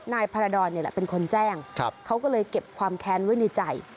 นายพาราดอนเนี่ยแหละเป็นคนแจ้งเขาก็เลยเก็บความแค้นไว้ในใจ